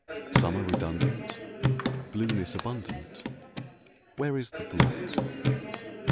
Summer redundant, Blueness abundant, Where is the blot?